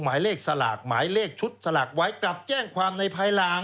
หมายเลขสลากหมายเลขชุดสลากไว้กลับแจ้งความในภายหลัง